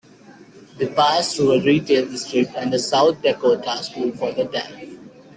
They pass through a retail district and the South Dakota School for the Deaf.